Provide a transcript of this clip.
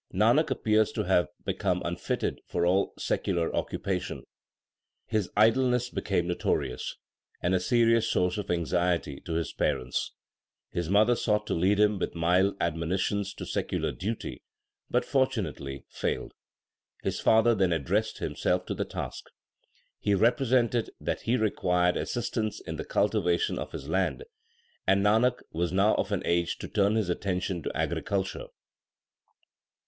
Nanak appears to have become unfitted for all secular occupation. His idleness became notorious, and a serious source of anxiety to his parents. His mother sought to lead him with mild admonitions to secular duty, but fortunately failed. His father then addressed himself to the task. He represented that he required assistance in the culti vation of his land, and Nanak was now of an age to turn his attention to agriculture.